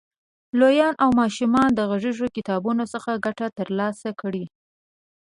لویان او ماشومان د غږیزو کتابونو څخه ګټه تر لاسه کړي.